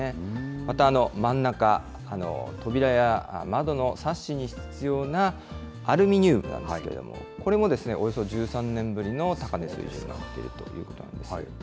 また真ん中、扉や窓のサッシに必要なアルミニウムなんですけれども、これもおよそ１３年ぶりの高値水準になっているということなんです。